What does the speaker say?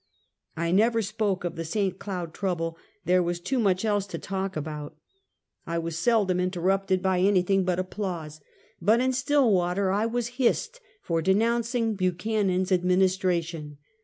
I never spoke of the St. Cloud trouble — there was too much else to talk about. I was seldom interrupted 216 Half a C^JS'TuiiY. bj anything but applause; but in Stillwater I was hissed for denouncing Buchanan's administration.